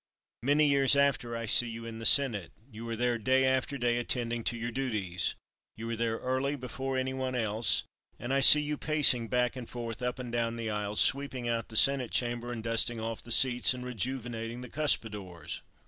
Many years after I see you in the Senate. You are there day after day attending to your duties. You are there early, before any one else, and I see you pacing back and forth, up and down the aisles, sweeping out the Senate Chamber and dusting off the seats and rejuvenating the cuspidors."